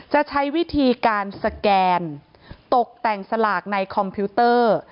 จะใช้วิธีการสแกนตกแต่งสลากในคอมพิวเตอร์